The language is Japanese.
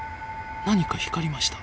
何か光りました。